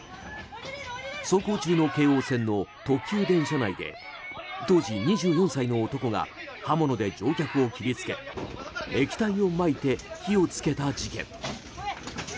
走行中の京王線の特急電車内で当時２４歳の男が刃物で乗客を切りつけ液体をまいて火を付けた事件。